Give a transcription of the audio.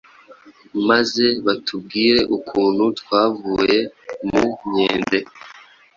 maze batubwire ukuntu twavuye mu nkende